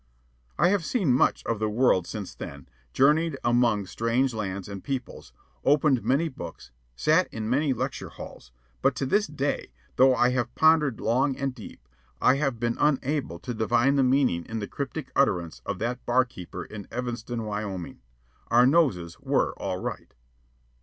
I have seen much of the world since then, journeyed among strange lands and peoples, opened many books, sat in many lecture halls; but to this day, though I have pondered long and deep, I have been unable to divine the meaning in the cryptic utterance of that barkeeper in Evanston, Wyoming. Our noses were all right.